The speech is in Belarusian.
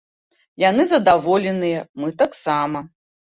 Яны задаволеныя, мы таксама.